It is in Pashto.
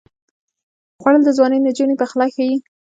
خوړل د ځوانې نجونې پخلی ښيي